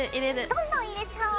どんどん入れちゃおう。